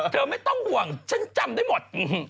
ไม่ต้องห่วงฉันจำได้หมด